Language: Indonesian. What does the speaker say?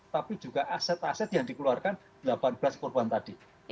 tapi juga aset aset yang dikeluarkan delapan belas korban tadi